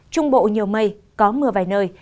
trung bộ nhiều mây có mưa vài nơi